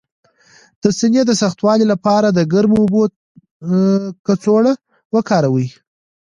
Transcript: د سینې د سختوالي لپاره د ګرمو اوبو کڅوړه وکاروئ